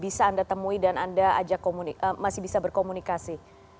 bisa anda temui dan anda ajak masih bisa berkomunikasi